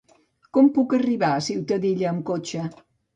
Com puc arribar a Ciutadilla amb cotxe?